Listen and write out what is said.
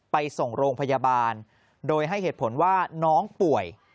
ไปส่งโรงพยาบาลโดยให้เหตุผลว่าน้องป่วย